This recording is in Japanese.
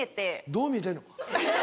どう見えてんの？